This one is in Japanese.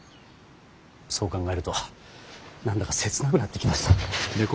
そう考えると何だか切なくなってきました。